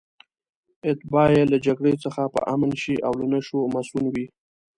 اتباع یې له جګړې څخه په امن شي او له نشو مصئون وي.